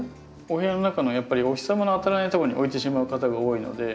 お部屋の中のやっぱりお日様の当たらないとこに置いてしまう方が多いので。